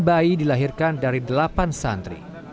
enam bayi dilahirkan dari delapan santri